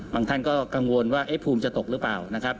ท่านก็กังวลว่าภูมิจะตกหรือเปล่านะครับ